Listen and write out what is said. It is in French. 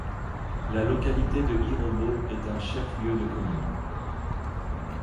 La localité de Irobo est un chef-lieu de commune.